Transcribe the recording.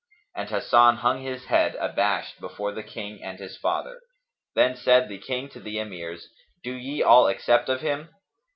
And Hasan hung his head abashed before the King and his father. Then said the King to the Emirs, "Do ye all accept of him?"